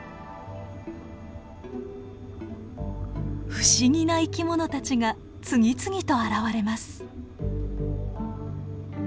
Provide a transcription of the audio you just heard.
不思議な生き物たちが次々と現れます。